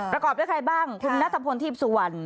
ประกอบด้วยใครบ้างคุณนัทพลทีพสุวรรณ